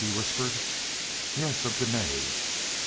he whispered. "Yes, of Dene."